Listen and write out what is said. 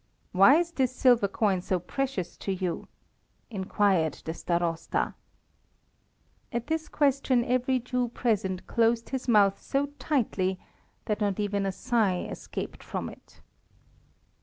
"Why is this silver coin so precious to you?" inquired the Starosta. At this question every Jew present closed his mouth so tightly that not even a sigh escaped from it.